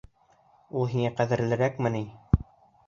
Ул һиңә ҡәҙерлерәкме ни?